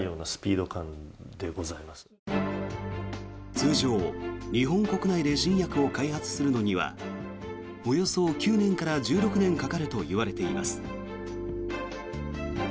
通常、日本国内で新薬を開発するのにはおよそ９年から１６年かかるといわれています。